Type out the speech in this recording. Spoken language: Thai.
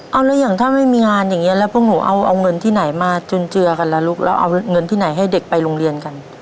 เอาแล้วอย่างถ้าไม่มีงานอย่างนี้แล้วพวกหนูเอาเงินที่ไหนมาจุนเจือกันล่ะลูกแล้วเอาเงินที่ไหนให้เด็กไปโรงเรียนกัน